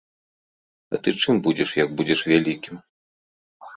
А ты чым будзеш, як будзеш вялікім?